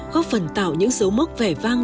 góp phần tạo những dấu mốc vẻ vang